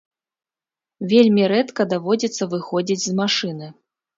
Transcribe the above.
Вельмі рэдка даводзіцца выходзіць з машыны.